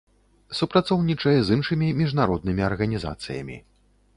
Супрацоўнічае з іншымі міжнароднымі арганізацыямі.